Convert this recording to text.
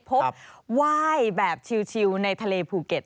พบว่ายแบบชิลในทะเลภูเก็ต